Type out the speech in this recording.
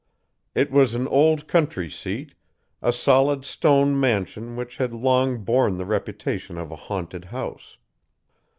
"It was an old country seat a solid stone mansion which had long borne the reputation of a haunted house.